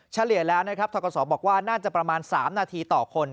เฉลี่ยแล้วนะครับทกศบอกว่าน่าจะประมาณ๓นาทีต่อคน